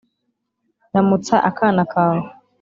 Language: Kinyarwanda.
ramutsa akana kawe